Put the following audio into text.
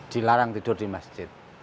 dilarang tidur di masjid